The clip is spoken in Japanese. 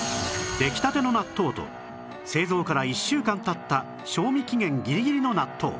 出来立ての納豆と製造から１週間経った賞味期限ギリギリの納豆